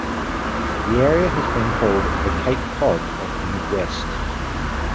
The area has been called "the Cape Cod of the Midwest".